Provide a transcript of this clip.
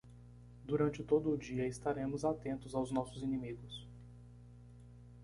Durante todo o dia estaremos atentos aos nossos inimigos.